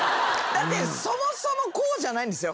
だって、そもそもこうじゃないんですよ。